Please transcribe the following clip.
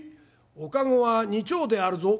「お駕籠は２丁であるぞ」。